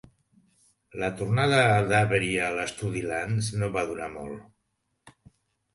La tornada d'Avery a l'estudi Lantz no va durar molt.